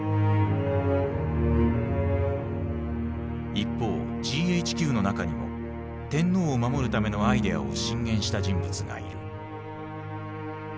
一方ＧＨＱの中にも天皇を守るためのアイデアを進言した人物がいる。